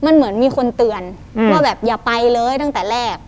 มันเหมือนมีคนเตือนว่าแบบอย่าไปเลยตั้งแต่แรก